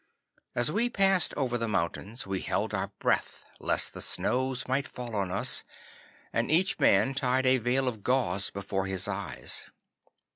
As we passed over the mountains we held our breath lest the snows might fall on us, and each man tied a veil of gauze before his eyes.